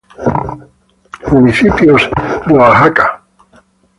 Municipios de Oaxaca